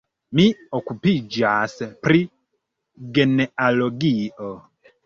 Mi okupiĝas pri genealogio.